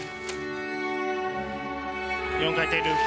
４回転ループ。